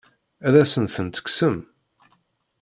Ad asen-ten-tekksem?